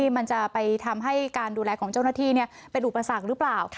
มันจะไปทำให้การดูแลของเจ้าหน้าที่เป็นอุปสรรคหรือเปล่า